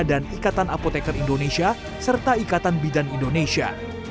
dan ikatan apotekar indonesia serta ikatan bidan indonesia